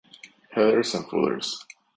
Headers and footers